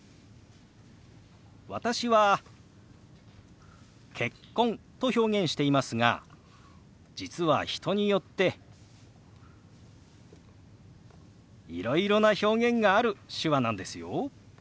私は「結婚」と表現していますが実は人によっていろいろな表現がある手話なんですよ。